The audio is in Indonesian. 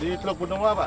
di teluk benoa pak